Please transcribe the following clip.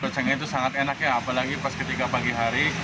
kecengnya itu sangat enak ya apalagi pas ketika pagi hari